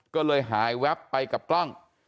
ก็เลยหายแวบไปกับกล้อง